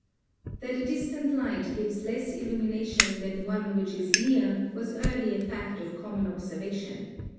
That a distant light gives less illumination than one which is near was early a fact of common observation.